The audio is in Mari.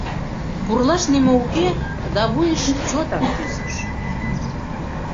Пурлаш нимо уке, да вуйыш чотак кӱзыш.